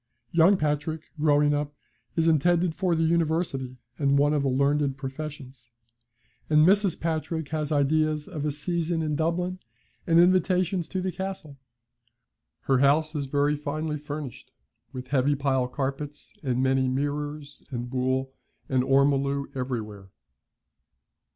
Young Patrick, growing up, is intended for the University and one of the learned professions, and Mrs. Patrick has ideas of a season in Dublin and invitations to the Castle. Her house is very finely furnished, with heavy pile carpets and many mirrors, and buhl and ormolu everywhere.